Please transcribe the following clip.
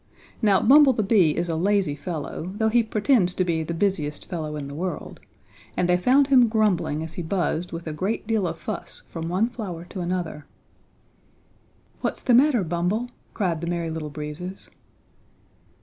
Now Bumble the Bee is a lazy fellow, though he pretends to be the busiest fellow in the world, and they found him grumbling as he buzzed with a great deal of fuss from one flower to another. "What's the matter, Bumble?" cried the Merry Little Breezes.